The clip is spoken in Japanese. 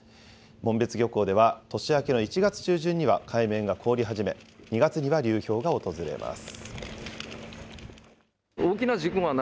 紋別漁港では、年明けの１月中旬には海面が凍り始め、２月には流氷が訪れます。